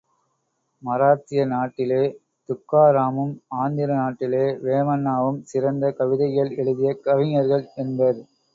மராத்திய நாட்டிலே துக்காராமும், ஆந்திர நாட்டிலே வேமன்னாவும், சிறந்த கவிதைகள் எழுதிய கவிஞர்கள் என்பர்.